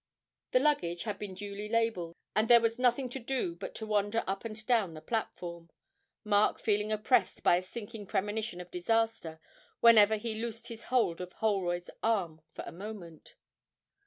The luggage had been duly labelled, and there was nothing to do but to wander up and down the platform, Mark feeling oppressed by a sinking premonition of disaster whenever he loosed his hold of Holroyd's arm for a moment.